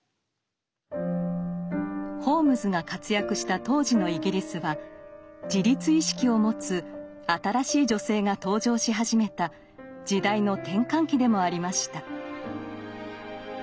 ホームズが活躍した当時のイギリスは自立意識を持つ「新しい女性」が登場し始めた時代の転換期でもありました。